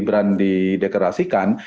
sebelum prabowo gibran didekerasikan